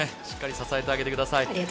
しっかり支えてあげてください。